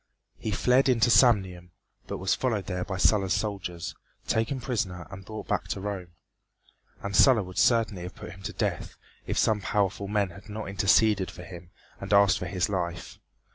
He fled into Samnium, but was followed there by Sulla's soldiers, taken prisoner and brought back to Rome. And Sulla would certainly have put him to death if some powerful men had not interceded for him and asked for his life.